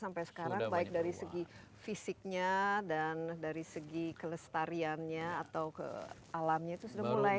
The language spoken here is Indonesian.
sampai sekarang baik dari segi fisiknya dan dari segi kelestariannya atau ke alamnya itu sudah mulai